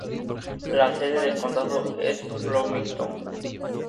La sede del condado es Bloomington.